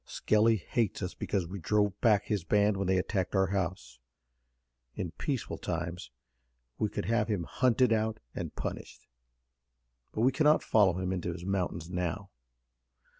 Skelly hates us because we drove back his band when they attacked our house. In peaceful times we could have him hunted out and punished, but we cannot follow him into his mountains now.